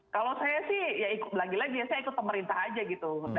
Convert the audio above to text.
kalau saya sih ya ikut lagi lagi saya ikut pemerintah aja gitu